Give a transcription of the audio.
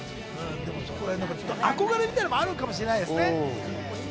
憧れみたいなのもあるのかもしれないですね。